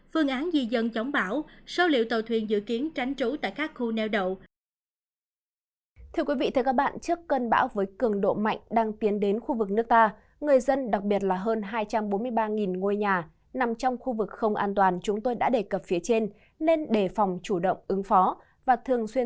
phương án di dân chống bão số liệu tàu thuyền dự kiến tránh trú tại các khu neo đậu